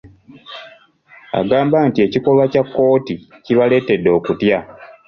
Agamba nti ekikolwa kya kkooti kibaleetedde okutya.